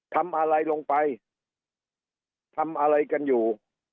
ทำอะไรลงไปทำอะไรกันอยู่